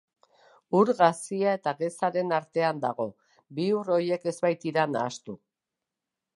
Ur gazia eta gezaren artean dago, bi ur horiek ez baitira nahastu.